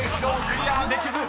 クリアできず。